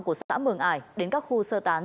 của xã mường ải đến các khu sơ tán